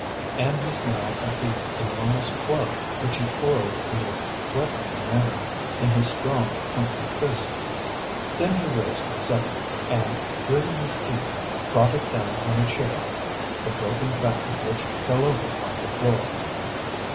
And he smiled at the enormous club which he twirled in a threatening manner in his strong, country fist. Then he raised it suddenly and, gritting his teeth, brought it down on a chair, the broken back of which fell over on the floor.